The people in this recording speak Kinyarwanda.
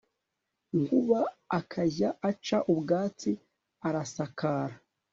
Nkuba akajya aca ubwatsi arasakara